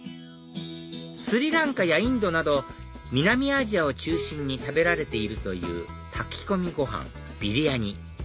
スリランカやインドなど南アジアを中心に食べられているという炊き込みご飯ビリヤニ